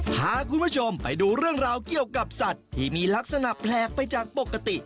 พาคุณผู้ชมไปดูเรื่องราวเกี่ยวกับสัตว์ที่มีลักษณะแปลกไปจากปกติ